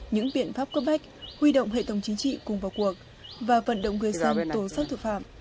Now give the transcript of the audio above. những biện pháp cơ bách huy động hệ thống chính trị cùng vào cuộc và vận động người sinh tổn sát thực phạm